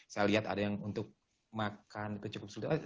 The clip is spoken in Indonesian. saya lihat ada yang untuk makan itu cukup sudah